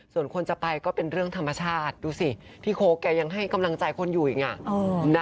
ส่วนคนจะไปก็เป็นเรื่องธรรมชาติดูสิพี่โค้กแกยังให้กำลังใจคนอยู่อีก